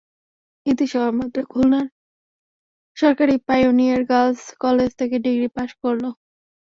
ইতি সবেমাত্র খুলনার সরকারি পাইওনিয়ার গার্লস কলেজ থেকে ডিগ্রি পাস করল।